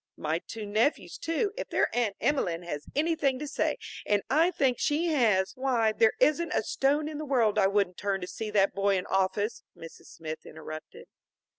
My two nephews, too, if their Aunt Emelene has anything to say, and I think she has " "Why, there isn't a stone in the world I wouldn't turn to see that boy in office," Mrs. Smith interrupted.